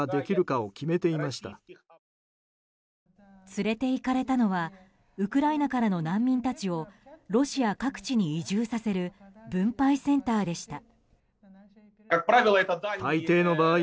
連れていかれたのはウクライナからの難民たちをロシア各地に移住させる分配センターでした。